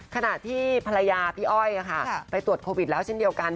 ขณะที่ภรรยาพี่อ้อยไปตรวจโควิดแล้วเช่นเดียวกัน